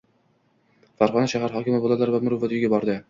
Farg‘ona shahar hokimi Bolalar va Muruvvat uyiga bordi